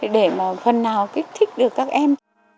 để mà phần nào thích thích được các em